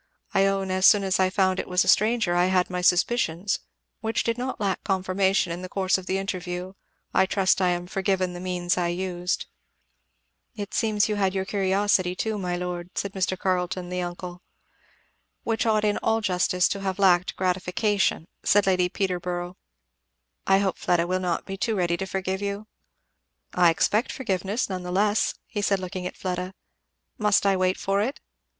I own as soon as I found it was a stranger I had my suspicions which did not lack confirmation in the course of the interview I trust I am forgiven the means I used." "It seems you had your curiosity too, my lord," said Mr. Carleton the uncle. "Which ought in all justice to have lacked gratification," said Lady Peterborough. "I hope Fleda will not be too ready to forgive you." "I expect forgiveness nevertheless," said he looking at Fleda. "Must I wait for it?"